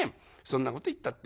そんなこと言ったってえ？